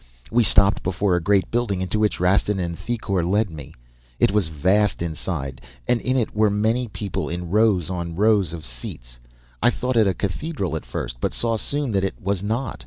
We stopped before a great building into which Rastin and Thicourt led me. "It was vast inside and in it were many people in rows on rows of seats. I thought it a cathedral at first but saw soon that it was not.